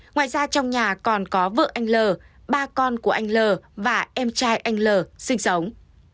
ngoài ra trong nhà còn có vợ anh l ba con của anh l và em trai anh l sinh sống